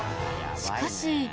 しかし。